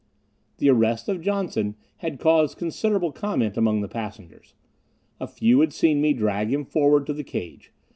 The arrest of Johnson had caused considerable comment among the passengers. A few had seen me drag him forward to the cage.